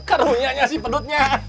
aduh karunianya sih pedutnya